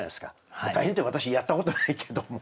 まあ「大変」って私やったことないけども。